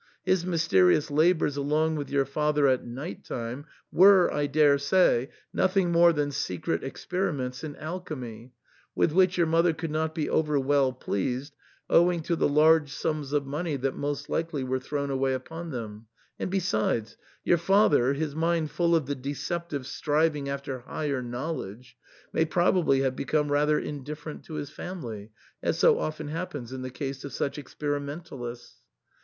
His myste* rious labours along with your father at night time were, I daresay, nothing more than secret experiments in alchemy, with which your mother could not be over well pleased, owing to the large sums of money that most likely were thrown away upon them ; and besides, your father, his mind full of the deceptive striving after higher knowledge, may probably have become rather indifferent to his family, as so often happens in the case of such experimentalists.